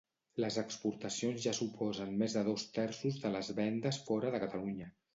Les exportacions ja suposen més de dos terços de les vendes fora de Catalunya.